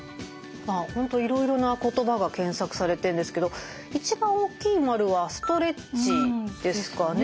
本当いろいろな言葉が検索されてるんですけど一番大きい円は「ストレッチ」ですかね。